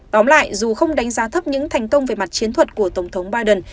tóm lại dù không đánh giá thấp những thành công về mặt chiến thuật của tổng thống biden